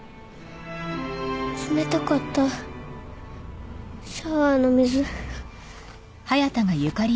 冷たかったシャワーの水。